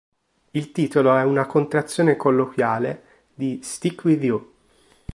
Il titolo è una contrazione colloquiale di "Stick With You".